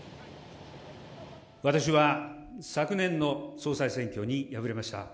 私は昨年の総裁選挙に敗れました。